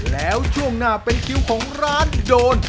แล้วช่วงหน้าเป็นคิวของร้านโดน